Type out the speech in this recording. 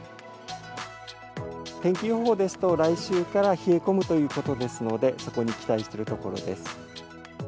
天気予報ですと、来週から冷え込むということですので、そこに期待しているところです。